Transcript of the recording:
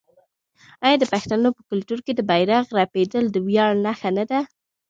آیا د پښتنو په کلتور کې د بیرغ رپیدل د ویاړ نښه نه ده؟